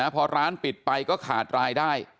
พอร้านปิดไปก็ขาดรายได้